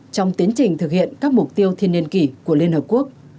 trong tiến trình thực hiện các mục tiêu thiên niên kỷ của liên hợp quốc